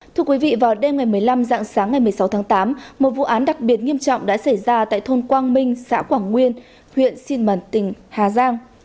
thưa quý vị vào đêm ngày một mươi năm dạng sáng ngày một mươi sáu tháng tám một vụ án đặc biệt nghiêm trọng đã xảy ra tại thôn quang minh xã quảng nguyên huyện xi mần tỉnh hà giang